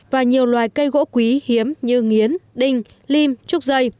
và nhiều loài cây gỗ quý hiếm như nghiến đinh lim trúc dây